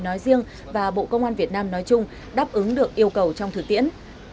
nói riêng và bộ công an việt nam nói chung đáp ứng được yêu cầu trong thực tiễn